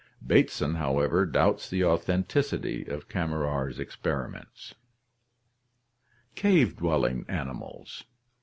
Bateson, however, doubts the authenticity of Kammerer's experiments. Cave dwelling Animals.